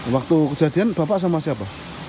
waktu kejadian bapak sama siapa